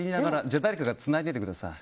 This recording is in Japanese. じゃあ誰かがつないでてください。